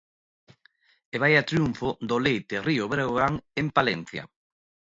E vaia triunfo do Leite Río Breogán en Palencia.